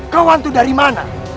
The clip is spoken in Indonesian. kau hantu dari mana